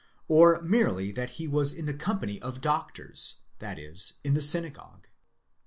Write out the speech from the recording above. ® or merely that he was in the company of doctors, that is, in the synagogue